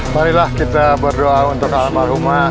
marilah kita berdoa untuk alam al rumah